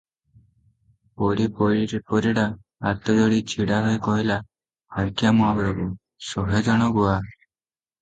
ପରି ପରିଡା ହାତଯୋଡି ଛିଡ଼ା ହୋଇ କହିଲା, "ଆଜ୍ଞା ମହାପ୍ରଭୁ, ଶହେ ଜଣ ଗୁହା ।